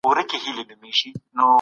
چي د منځنۍ او جنوبي اسیا تر منځ.